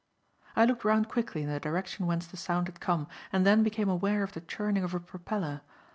I looked round quickly in the direction whence the sound had come, and then became aware of the churning of a propeller.